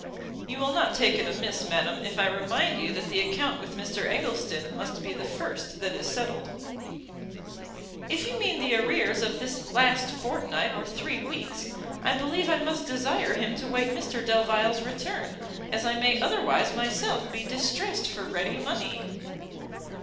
"You will not take it amiss, madam, if I remind you that the account with Mr Eggleston must be the first that is settled." "If you mean the arrears of this last fortnight or three weeks, I believe I must desire him to wait Mr Delvile's return, as I may otherwise myself be distressed for ready money."